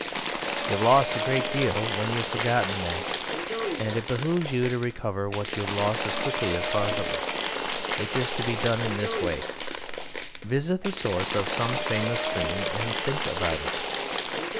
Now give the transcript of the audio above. You have lost a great deal when you have forgotten that, and it behoves you to recover what you have lost as quickly as possible, which is to be done in this way: Visit the source of some famous stream and think about it.